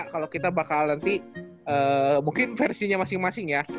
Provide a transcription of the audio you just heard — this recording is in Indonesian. kalau kita bakal nanti mungkin versinya masing masing ya